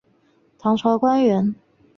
唐朝官员。